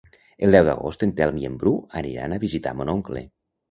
El deu d'agost en Telm i en Bru aniran a visitar mon oncle.